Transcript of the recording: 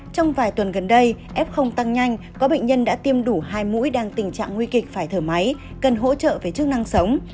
trong vài tuần gần đây f tăng nhanh có bệnh nhân đã tiêm đủ hai mũi đang tình trạng nguy kịch phải thở máy cần hỗ trợ về chức năng sống